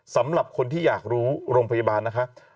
สำหรับคนที่อยากรู้โรงพยาบาลนะคะ